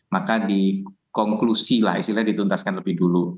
maka dikonklusi lah istilahnya dituntaskan lebih dulu